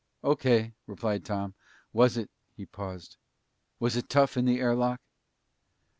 "O.K.," replied Tom. "Was it" he paused "was it tough in the air lock?"